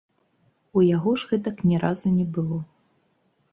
У яго ж гэтак ні разу не было.